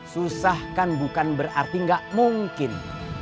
susah kan bukan berarti nggak mungkin